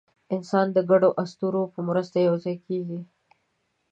انسانان د ګډو اسطورو په مرسته یوځای کېږي.